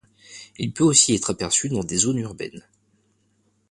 Il peut aussi être aperçu dans des zones urbaines.